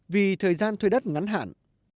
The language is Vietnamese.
vì thời gian thuê đất ngắn hẳn